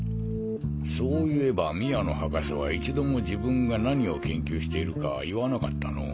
そういえば宮野博士は一度も自分が何を研究しているかいわなかったのぉ。